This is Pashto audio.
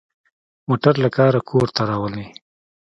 موټر له کاره کور ته راولي.